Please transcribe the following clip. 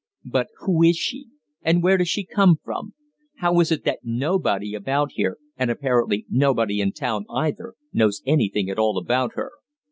"But who is she? And where does she come from? How is it that nobody about here, and apparently nobody in town either, knows anything at all about her?